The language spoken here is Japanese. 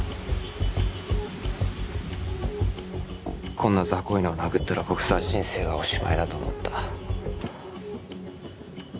こんな雑魚いのを殴ったらボクサー人生がおしまいだと思った。